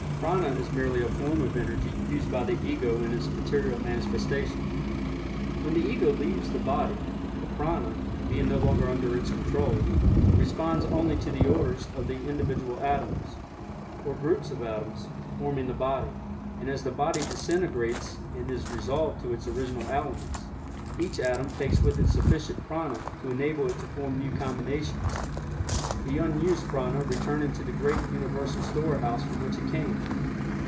Prana is merely a form of energy used by the Ego in its material manifestation. When the Ego leaves the body, the prana, being no longer under its control, responds only to the orders of the individual atoms, or groups of atoms, forming the body, and as the body disintegrates and is resolved to its original elements, each atom takes with it sufficient prana to enable it to form new combinations, the unused prana returning to the great universal storehouse from which it came.